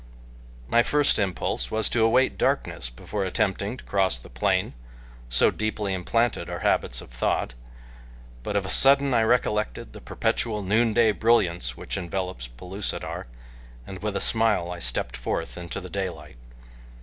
My first impulse was to await darkness before attempting to cross the plain, so deeply implanted are habits of thought; but of a sudden I recollected the perpetual noonday brilliance which envelops Pellucidar, and with a smile I stepped forth into the daylight.